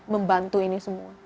membantu ini semua